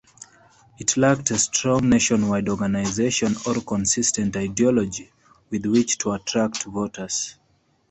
It lacked a strong, nationwide organization or consistent ideology with which to attract voters.